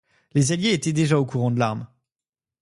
Les Alliés étaient déjà au courant de l'arme.